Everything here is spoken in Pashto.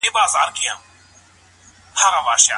څراغ باید بل وساتل شي.